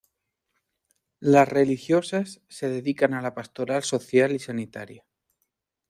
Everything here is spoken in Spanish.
Las religiosas se dedican a la pastoral social y sanitaria.